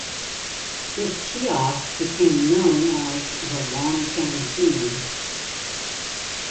This kiosk became known as the 'Long Canteen'.